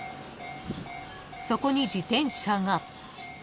［そこに自転車が］